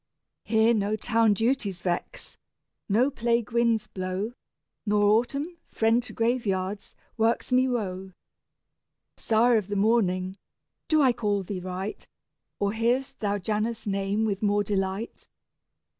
Here no town duties vex, no plague winds blow, Nor Autumn, friend to graveyards, works me woe. Sire of the morning (do I call thee right, Or hear'st thou Janus' name with more delight?)